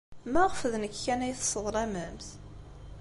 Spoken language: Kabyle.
Maɣef d nekk kan ay tesseḍlamemt?